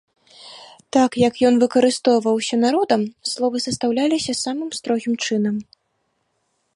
Так як ён выкарыстоўваўся народам, словы састаўляліся самым строгім чынам.